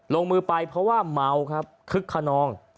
ลงมือไปเพราะว่าเมาครับคึกขนอง